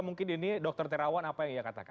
mungkin ini dokter terawan apa yang dia katakan